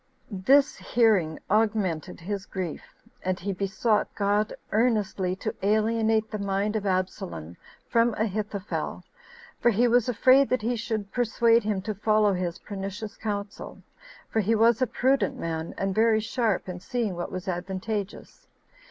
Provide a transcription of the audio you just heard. This hearing augmented his grief; and he besought God earnestly to alienate the mind of Absalom from Ahithophel, for he was afraid that he should persuade him to follow his pernicious counsel, for he was a prudent man, and very sharp in seeing what was advantageous.